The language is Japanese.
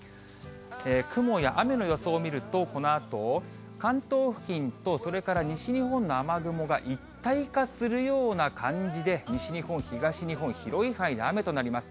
雲や雨の予想を見ると、このあと、関東付近とそれから西日本の雨雲が一体化するような感じで、西日本、東日本、広い範囲で雨となります。